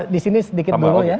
disini sedikit dulu ya